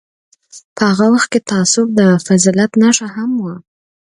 په هغه وخت کې تعصب د فضیلت نښه هم وه.